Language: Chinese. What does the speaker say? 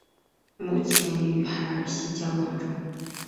目前与海尔希交往中。